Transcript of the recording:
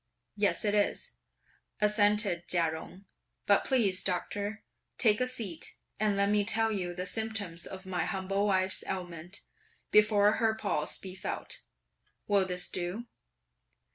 "Yes, it is," assented Chia Jung; "but please, Doctor, take a seat, and let me tell you the symptoms of my humble wife's ailment, before her pulse be felt. Will this do?"